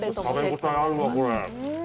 食べ応えあるわ、これ。